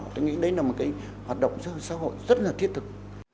tôi nghĩ đấy là một hoạt động xã hội rất là thiết thực